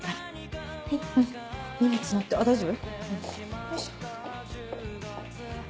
荷物持ってあっ大丈夫？